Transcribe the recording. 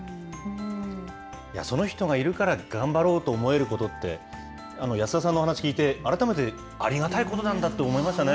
その人がいるから頑張ろうと思えることって、安田さんのお話聞いて、改めてありがたいことなんだと思いましたね。